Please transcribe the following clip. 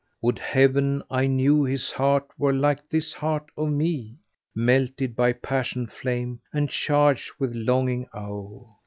Would Heaven I knew his heart were like this heart of me, * Melted by passion flame and charged with longing owe."